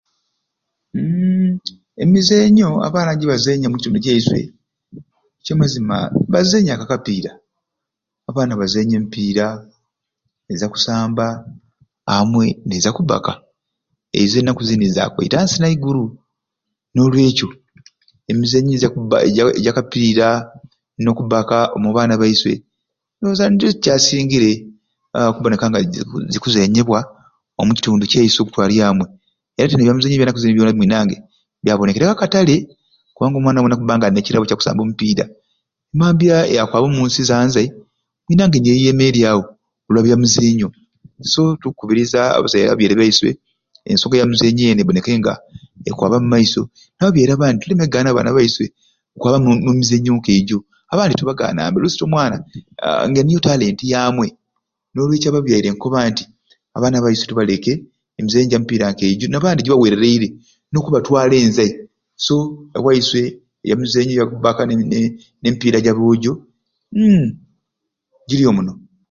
Hhmm emizenyo abaana jebazenya owaiswe ekyamazima bazenyaku akapiira, abaana bazenya emipiira eza kusamba amwei neza kubbaka ezo enaku zini zakwaite akasaale ziri aiguru nolwekyo emizenyo okusamba nokubaka omu'baana baiswe ndowooza nizo ezikyasingire aahh okuboneka nga zikuzenyebwa omukitundu kyaiswe okutwarya amwei era'te nebyamizenyo byanaku zini byona mwinange byabonekereeku akatale nokwakuba nomuntu nga alina ekirabo kyakusamba omupira yakwaba omunsi zanzai mwinange niyeyemeryawo olwa byamizenyo, so tukubiriza abazee ababyaire baiswe ensonga yamuzenyo eni eboneke nga ekwaba mumaiso nababyaire abandi tuleme kugana baana baiswe kwaba mu mumizenyo nkejjo abandi tubaganambe olusi'te omwana aahh nga niyo talenti yamwei nolwekyo ababyaire nkoba nti abaana baiswe tubaleke emizenyo jamipiira nkejjo nabandi jibawerereire nokubatwala enzai so ewaiswe ebyamizenyo bya kubaka ne mipiira ja bojjo hhmmm jiriyo muno